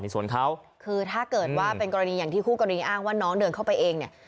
ส่วนเขาคือถ้าเกิดว่าเป็นกรณีอย่างที่คู่กรณีอ้างว่าน้องเดินเข้าไปเองเนี่ย